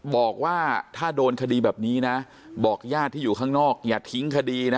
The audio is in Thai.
บอกว่าถ้าโดนคดีแบบนี้นะบอกญาติที่อยู่ข้างนอกอย่าทิ้งคดีนะ